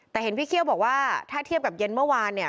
แต่เห็นพี่เคี่ยวบอกว่าถ้าเทียบกับเย็นเมื่อวานเนี่ย